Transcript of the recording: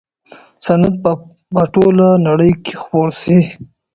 صنعت به په ټوله نړۍ کي خپور سي.